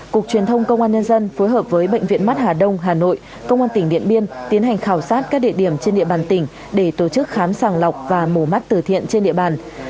cục truyền thông công an nhân dân phối hợp với bệnh viện mắt hà đông hà nội công an tỉnh điện biên tiến hành khảo sát các địa điểm trên địa bàn tỉnh để tổ chức khám sàng lọc và mổ mắt từ thiện trên địa bàn